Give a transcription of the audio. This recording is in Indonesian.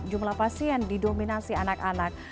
jumlah pasien didominasi anak anak